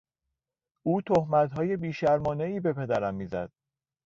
او تهمتهای بیشرمانهای به پدرم میزد.